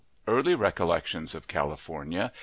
EARLY RECOLLECTIONS of CALIFORNIA.